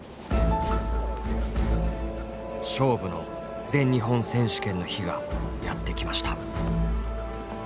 勝負の全日本選手権の日がやって来ました。